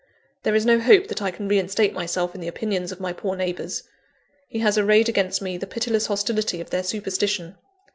There is no hope that I can reinstate myself in the opinions of my poor neighbours. He has arrayed against me the pitiless hostility of their superstition.